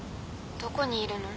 どこにいるの？